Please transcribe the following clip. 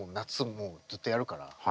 もうずっとやるから。